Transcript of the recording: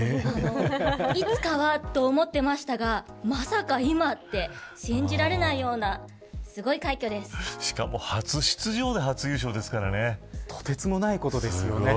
いつかはと思ってましたがまさか、今って信じられないようなしかも初出場でとてつもないことですよね。